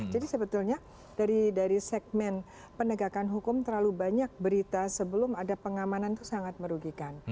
jadi sebetulnya dari segmen pendegakan hukum terlalu banyak berita sebelum ada pengamanan itu sangat merugikan